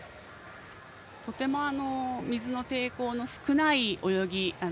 とても、水の抵抗の少ない泳ぎ。